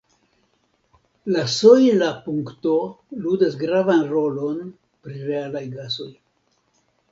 La sojla punkto ludas gravan rolon pri realaj gasoj.